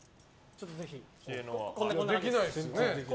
できないですよね。